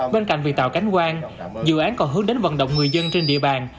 bên cạnh việc tạo cánh quan dự án còn hướng đến vận động người dân trên địa bàn